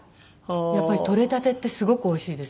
やっぱり採れたてってすごくおいしいですよね。